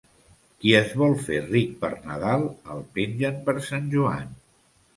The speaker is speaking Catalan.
Qui es vol fer ric per Nadal, el pengen per Sant Joan.